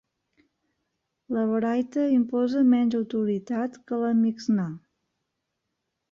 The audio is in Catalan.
La Baraita imposa menys autoritat que la Mixnà.